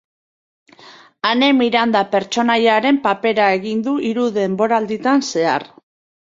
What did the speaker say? Ane Miranda pertsonaiaren papera egin du hiru denboralditan zehar.